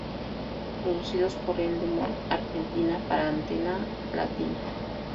Producidos por Endemol Argentina para Antena Latina.